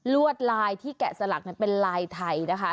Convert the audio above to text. วดลายที่แกะสลักนั้นเป็นลายไทยนะคะ